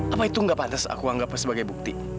apa itu gak pantas aku anggapnya sebagai bukti